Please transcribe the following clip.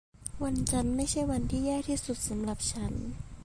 วันจันทร์ไม่ใช่วันที่แย่ที่สุดสำหรับฉัน